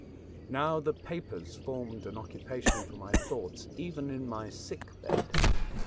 Now the papers formed an occu pation for my thoughts even in my sick bed.